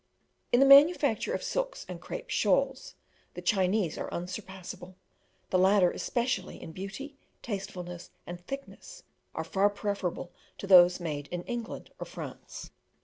In the manufacture of silks and crape shawls, the Chinese are unsurpassable; the latter especially, in beauty, tastefulness, and thickness, are far preferable to those made in England or France.